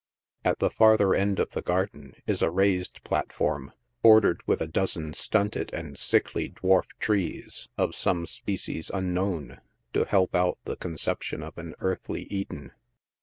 At the farther end of the garden is a raised platform, bordered with a dozen stunted and sickly dwarf trees, of some spe cies unknown — to help out the conception of an earthly Eden.